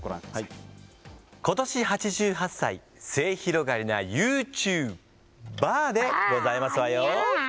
ことし８８歳、末広がりなユーチュー婆でございますわよ。